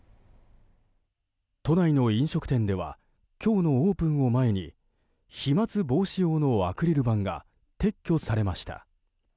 都内の飲食店では今日のオープンを前に飛沫防止用のアクリル板が撤去されました。